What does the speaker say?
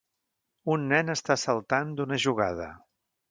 Un nen està saltant d'una jugada.